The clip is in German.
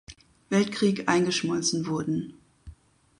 Weltkrieg eingeschmolzen wurden.